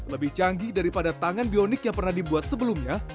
lebih canggih daripada tangan bionik yang pernah dibuat sebelumnya